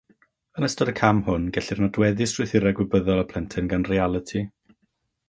Yn ystod y cam hwn, gellir nodweddu strwythurau gwybyddol y plentyn gan realiti.